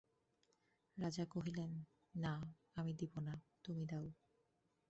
রাজা কহিলেন, না, আমি দিব না, তুমি দাও।